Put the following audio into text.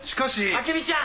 明美ちゃん！